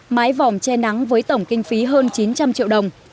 mái vòm che nắng với tổng kinh phí hơn chín trăm linh triệu đồng